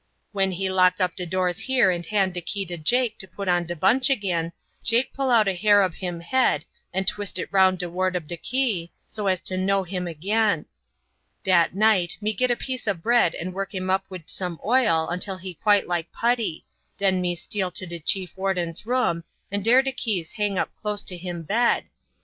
When he lock up de doors here and hand de key to Jake to put on de bunch agin, Jake pull out a hair ob him head and twist it round de ward ob de key so as to know him agin. Dat night me git a piece ob bread and work him up wid some oil till he quite like putty, den me steal to de chief warden's room, and dere de keys hang up close to him bed.